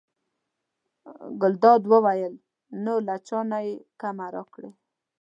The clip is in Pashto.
ګلداد وویل: نو له چا نه یې کمه راکړې.